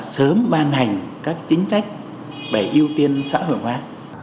sớm ban hành các chính sách để ưu tiên xã hội hóa